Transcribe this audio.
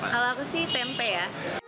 kalau aku sih tempe ya